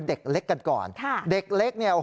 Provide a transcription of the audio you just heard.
เด็กเล็กกันก่อนเด็กเล็กเนี่ย